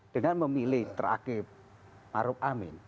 dengan memilih terakhir maruf amin